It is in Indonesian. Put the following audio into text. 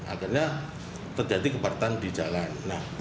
akhirnya terjadi kepadatan di jalan